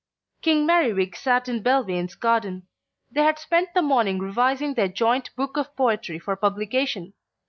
King Merriwig sat in Belvane's garden. They had spent the morning revising their joint book of poetry for publication.